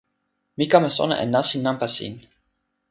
mi kama sona e nasin nanpa sin.